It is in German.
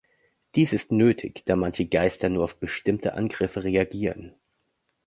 Dies ist nötig, da manche Geister nur auf bestimmte Angriffe reagieren.